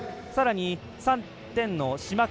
さらに３点の島川。